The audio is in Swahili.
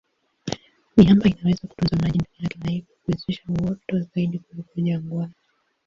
Miamba inaweza kutunza maji ndani yake na hivyo kuwezesha uoto zaidi kuliko jangwani.